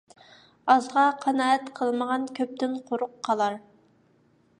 ئازغا قانائەت قىلمىغان كۆپتىن قۇرۇق قالار.